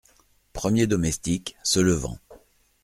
Premier domestique , se levant.